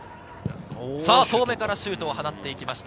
遠めからシュートを放っていきました。